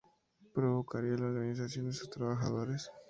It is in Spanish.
Provocaría la organización de sus trabajadores.